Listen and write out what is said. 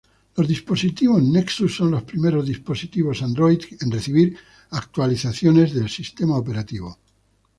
Los dispositivos Nexus son los primeros dispositivos Android en recibir actualizaciones del sistema operativo.